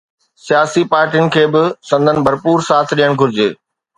سياسي پارٽين کي به سندن ڀرپور ساٿ ڏيڻ گهرجي.